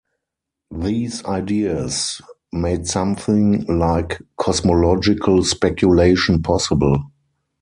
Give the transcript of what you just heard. These ideas made something like "cosmological" speculation possible.